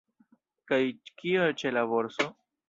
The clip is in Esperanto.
Kaj kio ĉe la borso?